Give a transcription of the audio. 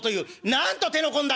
なんと手の込んだ買い物！」。